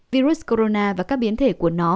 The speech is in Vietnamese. virus corona và các biến thể của nó